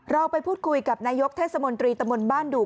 เราไปพูดคุยกับนายกเทศมนตรีตะมนต์บ้านดูก